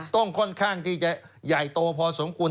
ค่อนข้างที่จะใหญ่โตพอสมควร